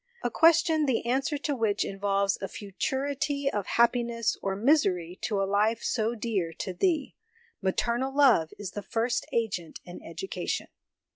A question the answer to which involves a futurity of happiness or misery to a life so dear to thee. Maternal love is the first agent in education."